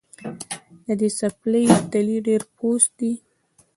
د دې څپلۍ تلی ډېر پوست دی